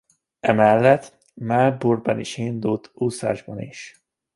Emellett Melbourne-ben indult úszásban is.